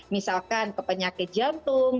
misalkan ke penyakit jantung